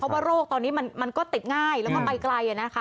เพราะว่าโรคตอนนี้มันก็ติดง่ายแล้วก็ไปไกลนะคะ